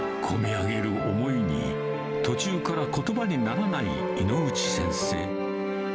こみ上げる思いに、途中からことばにならない猪口先生。